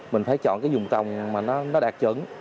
mình phải chọn cái dùng tổng mà nó đạt chuẩn